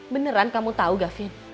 beneran kamu tau gavin